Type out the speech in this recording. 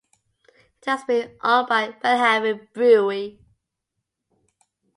It has been owned by Belhaven Brewery.